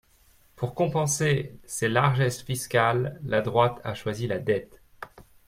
Pour compenser ses largesses fiscales, la droite a choisi la dette.